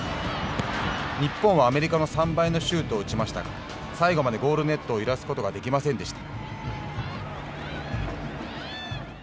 日本はアメリカの３倍のシュートを打ちましたが最後までゴールネットを揺らすことができませんでした。